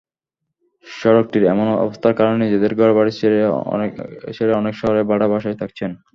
সড়কটির এমন অবস্থার কারণে নিজেদের ঘরবাড়ি ছেড়ে অনেকে শহরে ভাড়া বাসায় থাকছেন।